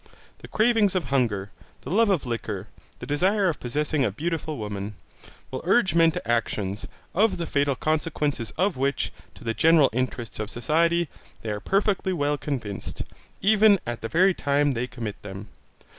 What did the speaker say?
The cravings of hunger, the love of liquor, the desire of possessing a beautiful woman, will urge men to actions, of the fatal consequences of which, to the general interests of society, they are perfectly well convinced, even at the very time they commit them.